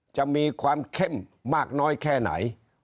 จะมีความเข้มมากน้อยแค่ไหน